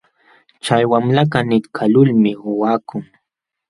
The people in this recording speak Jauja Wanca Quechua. Chay wamlakaq nitkaqlulmi waqakun.